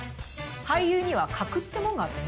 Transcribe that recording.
俳優には格ってもんがあってね。